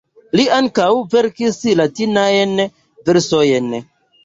Li ankaŭ verkis latinajn versojn.